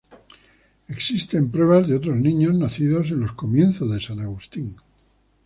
Existen pruebas de otros niños nacidos en los comienzos de San Agustín.